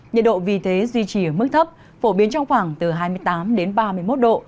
nhiệt độ vì thế duy trì ở mức thấp phổ biến trong khoảng từ hai mươi tám đến ba mươi một độ